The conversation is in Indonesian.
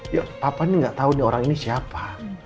ya papa ini gak tahu orang ini siapa